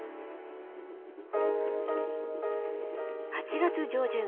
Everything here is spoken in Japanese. ８月上旬。